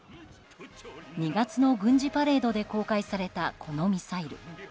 ２月の軍事パレードで公開されたこのミサイル。